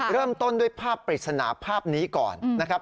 เริ่มต้นด้วยภาพปริศนาภาพนี้ก่อนนะครับ